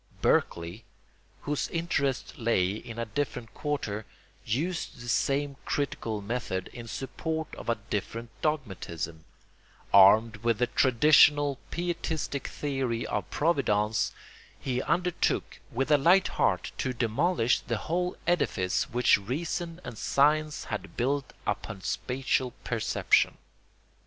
Berkeley, whose interests lay in a different quarter, used the same critical method in support of a different dogmatism; armed with the traditional pietistic theory of Providence he undertook with a light heart to demolish the whole edifice which reason and science had built upon spatial perception.